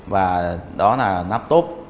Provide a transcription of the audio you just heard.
và đó là nắp tốp